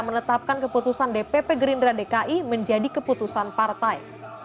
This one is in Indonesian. menetapkan keputusan dpp gerindra dki menjadi keputusan partai